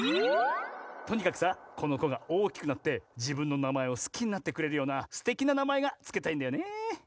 とにかくさこのこがおおきくなってじぶんのなまえをすきになってくれるようなすてきななまえがつけたいんだよね。